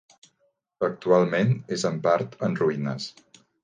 Actualment és en part en ruïnes.